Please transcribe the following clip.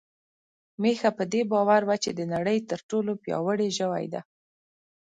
میښه په دې باور وه چې د نړۍ تر ټولو پياوړې ژوی ده.